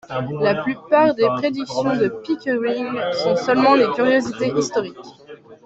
La plupart des prédictions de Pickering sont seulement des curiosités historiques.